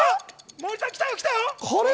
森さん、来たよ。